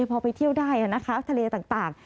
พอไปเที่ยวได้นะคะทะเลต่าง